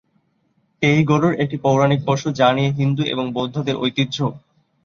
এই গরুড় একটি পৌরাণিক পশু যা নিয়ে হিন্দু এবং বৌদ্ধদের ঐতিহ্য।